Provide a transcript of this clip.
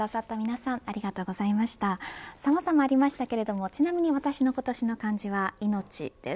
さまざまありましたけれどもちなみに、私の今年の漢字は命、です。